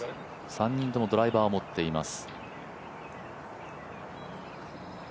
３人ともドライバーを持っています